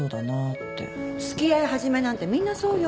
付き合い始めなんてみんなそうよ。